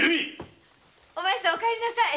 お弓お前さんお帰りなさい。